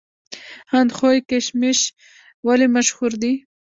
اندخوی کشمش ولې مشهور دي؟